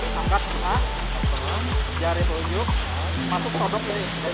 nah angkat jari tujuk masuk torok